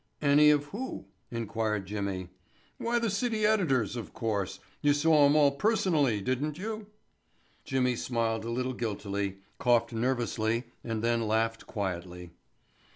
"Any of who?" inquired Jimmy. "Why the city editors, of course. You saw 'em all personally, didn't you?" Jimmy smiled a little guiltily, coughed nervously and then laughed quietly.